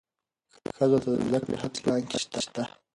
ښځو ته د زدهکړې حق په اسلام کې شته.